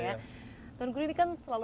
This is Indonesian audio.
iya iya tuan guru ini kan selalu